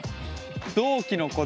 同期の子